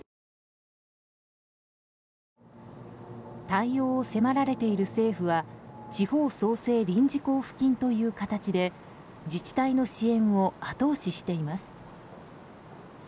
対応を迫られている政府は地方創生臨時交付金という形で自治体の支援を後押しています。